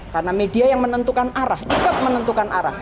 karena media yang menentukan arah ikut menentukan arah